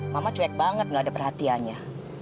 mama cuek banget gak ada perhatiannya